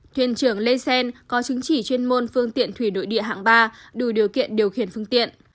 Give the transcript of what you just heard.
thuyền trưởng lê xen có chứng chỉ chuyên môn phương tiện thủy nội địa hạng ba đủ điều kiện điều khiển phương tiện